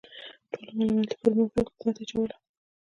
ټوله ملامتي پر حکومت اچوله.